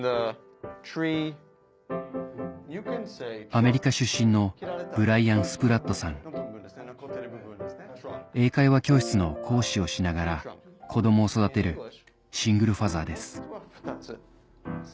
アメリカ出身の英会話教室の講師をしながら子供を育てるシングルファザーです